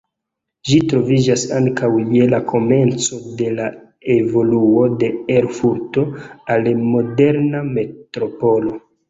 Ĝi troviĝas ankaŭ je la komenco de la evoluo de Erfurto al moderna metropolo.